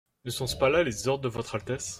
Ne sont-ce pas là les ordres de votre altesse ?